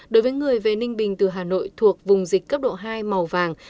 đối với người về ninh bình từ hà nội thuộc vùng dịch cấp độ hai màu vàng